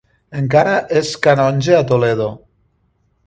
Encara és canonge a Toledo.